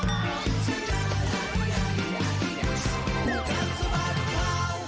สวัสดีครับ